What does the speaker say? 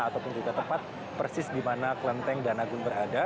ataupun juga tepat persis di mana kelenteng danagun berada